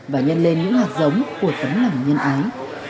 và nhân lên những hạt giống của tấm lòng nhân ái